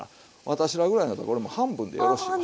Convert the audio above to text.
私らぐらいなったらこれもう半分でよろしいわ。